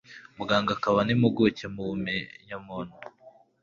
Muganga akaba n'Impuguke mu bumenyamuntu